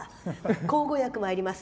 口語訳まいります。